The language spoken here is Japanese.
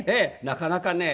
なかなかね。